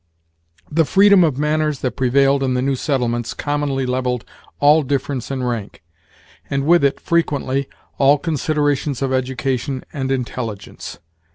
The freedom of manners that prevailed in the new settlements commonly levelled all difference in rank, and with it, frequently, all considerations of education and intelligence.